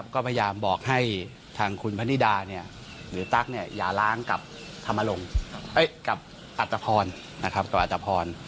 ก็พยายามบอกให้ทางคุณพนิดาหรือตั๊กหย่าร้างกับอัฐพร